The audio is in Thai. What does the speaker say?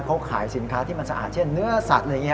เขาขายสินค้าที่มันสะอาดเช่นเนื้อสัตว์อะไรอย่างนี้